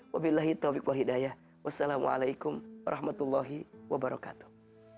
wa billahi taufiq wal hidayah wassalamualaikum warahmatullahi wabarakatuh